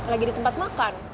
lagi di tempat makan